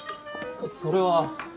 それは。